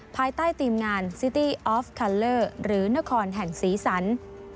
ภายใต้ทีมงานซิตี้ออฟคัลเลอร์หรือนครแห่งสีสัน